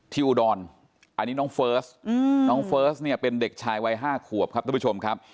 อุดรอันนี้น้องเฟิร์สน้องเฟิร์สเนี่ยเป็นเด็กชายวัย๕ขวบครับทุกผู้ชมครับ